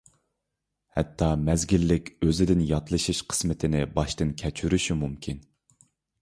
ھەتتا مەزگىللىك ئۆزىدىن ياتلىشىش قىسمىتىنى باشتىن كەچۈرۈشى مۇمكىن.